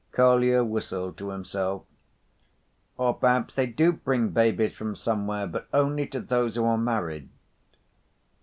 Kolya whistled to himself. "Or perhaps they do bring babies from somewhere, but only to those who are married."